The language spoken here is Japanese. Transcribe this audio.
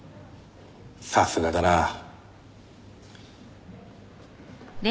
さすがだなあ。